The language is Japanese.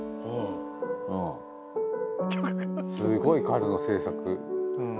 すごい数の製作。